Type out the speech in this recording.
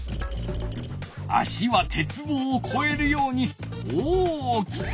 足は鉄棒をこえるように大きくふる。